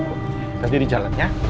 kita diri jalan ya